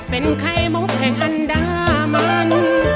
เป็นใครหมุบแห่งอันดามัน